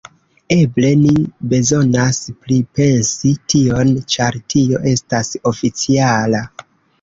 Eble ni bezonas pripensi tion, ĉar tio estas oficiala...